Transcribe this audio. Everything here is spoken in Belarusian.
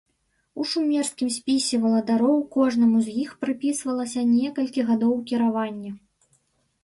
У шумерскім спісе валадароў кожнаму з іх прыпісвалася некалькі гадоў кіравання.